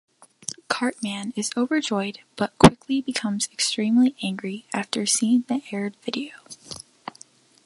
Cartman is overjoyed, but quickly becomes extremely angry after seeing the aired video.